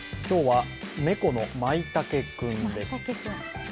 今日は猫のまいたけ君です。